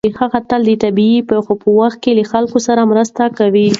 هغه تل د طبیعي پېښو په وخت کې له خلکو سره مرسته کوي.